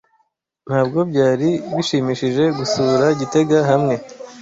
Ntabwo byari bishimishije gusura gitega hamwe?